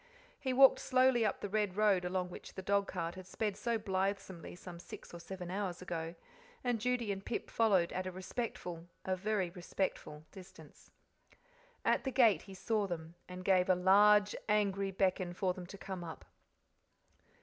He walked slowly up the red road along which the dogcart had sped so blithesomely some six or seven hours ago, and Judy and Pip followed at a respectful a very respectful distance. At the gate he saw them, and gave a large, angry beckon for them to come up.